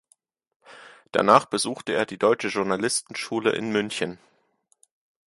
Danach besuchte er die Deutsche Journalistenschule in München.